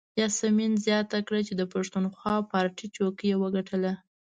یاسمین زیاته کړه چې د پښتونخوا پارټۍ څوکۍ یې وګټله.